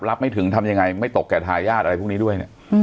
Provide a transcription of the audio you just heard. ไม่ถึงทำยังไงไม่ตกแก่ทายาทอะไรพวกนี้ด้วยเนี่ย